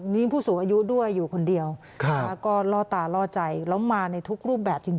มีผู้สูงอายุด้วยอยู่คนเดียวก็ล่อตาล่อใจแล้วมาในทุกรูปแบบจริง